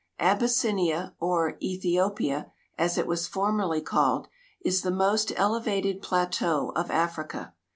Abyssinia, or Ethiopia, as it was formerly called, is the most elevated plateau of Africa.